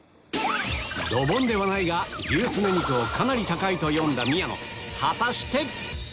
ドボンではないが牛すね肉をかなり高いと読んだ宮野果たして